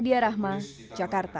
meladiah rahma jakarta